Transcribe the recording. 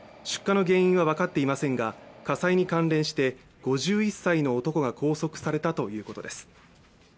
出火の原因は分かっていませんが火災に関連して５１歳の男が拘束されたということです。